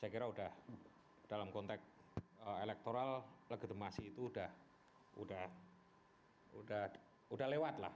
saya kira udah dalam konteks elektoral legitimasi itu udah udah udah lewat lah